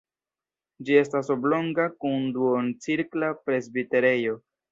Ĝi estas oblonga kun duoncirkla presbiterejo.